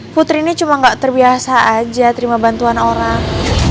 putri ini cuma nggak terbiasa aja terima bantuan orang